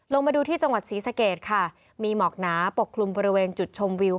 มาดูที่จังหวัดศรีสะเกดค่ะมีหมอกหนาปกคลุมบริเวณจุดชมวิว